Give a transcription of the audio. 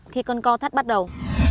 khi cơn co thắt bắt đầu